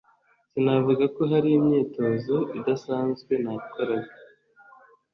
Sinavuga ko hari imyitozo idasanzwe nakoraga...